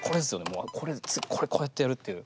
もうこれこうやってやるっていう。